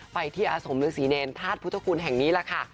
ไปที่อสมฤทธิ์ศรีเนรธาตุพุทธคุณแห่งนี้ล่ะค่ะ